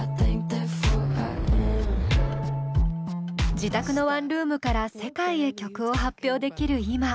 自宅のワンルームから世界へ曲を発表できる今。